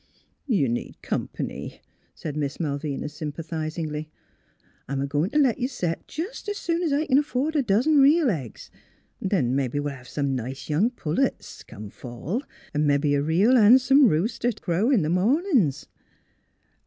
" You need comp'ny," said Miss Malvina sym pathizingly. " I'm a goin' t' let you set jes' soon 's I c'n afford a dozen reel eggs, then we'll hev some nice young pullets, come fall, 'n' mebbe a reel han'some rooster t' crow mornin's."